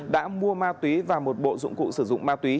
đã mua ma túy và một bộ dụng cụ sử dụng ma túy